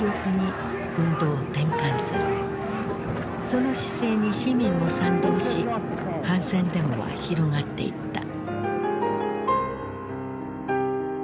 その姿勢に市民も賛同し反戦デモは広がっていった。